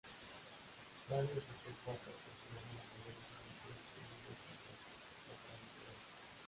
Flavio Josefo ha proporcionado la mayor información disponible sobre los saduceos.